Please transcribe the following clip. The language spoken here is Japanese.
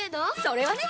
それはね！